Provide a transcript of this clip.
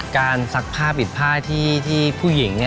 ซักผ้าปิดผ้าที่ผู้หญิง